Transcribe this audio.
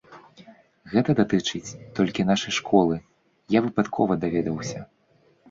Гэта датычыць толькі нашай школы, я выпадкова даведаўся.